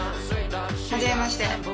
初めまして。